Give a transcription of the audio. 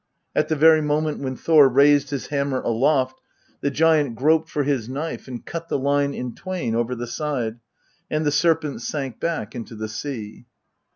At the very moment when Thor raised his hammer aloft, the giant groped for his knife and cut the line in twain over the side, and the serpent sank back into the sea.